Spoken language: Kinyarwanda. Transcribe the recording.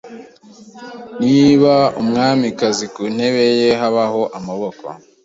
Niba umwamikazi ku ntebe ye habaho amaboko